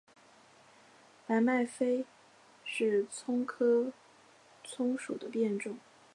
白脉韭是葱科葱属的变种。